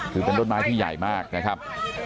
คือเป็นต้นไม้ที่ใหญ่มากนะครับ